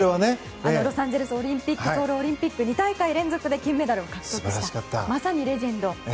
ロサンゼルスオリンピックソウルオリンピックと２大会連続で金メダルを獲得したまさにレジェンド。